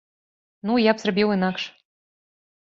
Ну, я б зрабіў інакш.